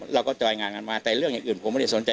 จอยงานกันมาแต่เรื่องอย่างอื่นผมไม่ได้สนใจ